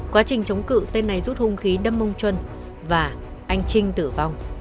quá trình chống cự tên này rút hung khí đâm ông chuân và anh trinh tử vong